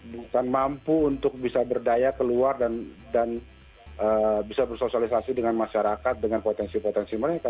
bukan mampu untuk bisa berdaya keluar dan bisa bersosialisasi dengan masyarakat dengan potensi potensi mereka